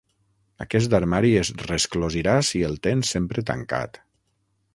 Aquest armari es resclosirà si el tens sempre tancat.